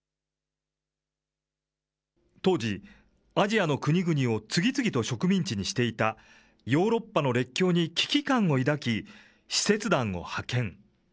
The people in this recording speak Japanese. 当時、アジアの国々を次々と植民地にしていた、ヨーロッパの列強に危機感を抱き、使節団を派遣。